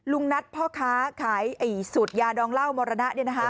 ลุงนัทพ่อค้าขายสูตรยาดองเหล้ามรณะเนี่ยนะฮะ